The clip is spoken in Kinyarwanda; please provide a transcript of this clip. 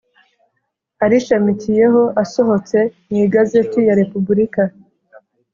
arishamikiyeho asohotse mu Igazeti ya Repubulika